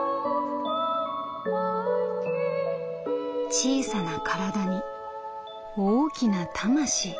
「小さな体に大きな魂。